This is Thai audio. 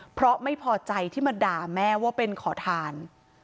เพราะไม่พอใจที่มาด่าแม่ว่าเป็นขอทาน